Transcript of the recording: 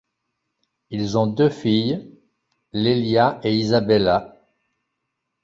Ils ont deux filles, Lelia et Isabella.